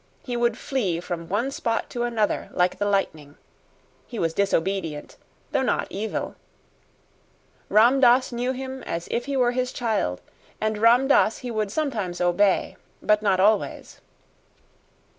He would flee from one spot to another, like the lightning. He was disobedient, though not evil. Ram Dass knew him as if he were his child, and Ram Dass he would sometimes obey, but not always.